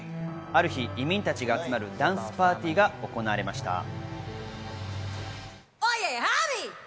ある日、移民たちが集まるダンスパーティーが行われました。